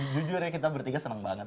jujurnya kita bertiga seneng banget